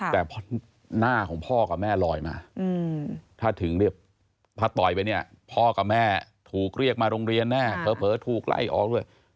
แต่พอหน้าของพ่อกับแม่ลอยมาถ้าถึงเรียกถ้าต่อยไปเนี่ยพ่อกับแม่ถูกเรียกมาโรงเรียนแน่เผลอถูกไล่ออกด้วย